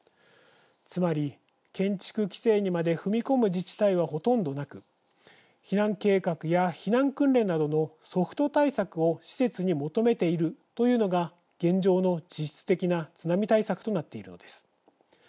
つまり、建築規制にまで踏み込む自治体はほとんどなく避難計画や避難訓練などのソフト対策を施設に求めているというのが現状の実質的な津波対策となっているのです。